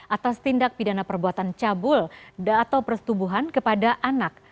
atas tindak pidana perbuatan cabul atau persetubuhan kepada anak